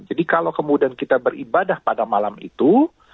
jadi kalau kemudian kita beribadah pada malam itu